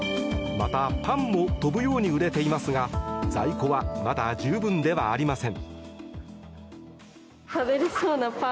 また、パンも飛ぶように売れていますが在庫はまだ十分ではありません。